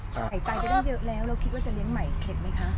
หายใจไปได้เยอะแล้วแล้วคิดว่าจะเลี้ยงใหม่เข็ดไหมคะ